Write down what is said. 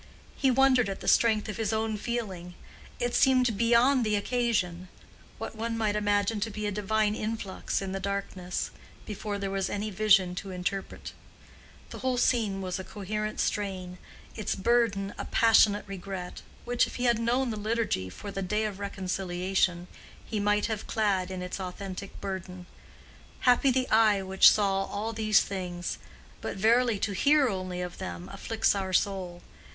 He wondered at the strength of his own feeling; it seemed beyond the occasion—what one might imagine to be a divine influx in the darkness, before there was any vision to interpret. The whole scene was a coherent strain, its burden a passionate regret, which, if he had known the liturgy for the Day of Reconciliation, he might have clad in its antithetic burden; "Happy the eye which saw all these things; but verily to hear only of them afflicts our soul.